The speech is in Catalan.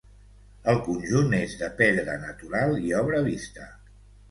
El conjunt és de pedra natural i obra vista.